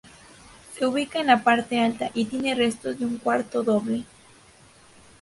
Se ubica en la parte alta y tiene restos de un cuarto doble.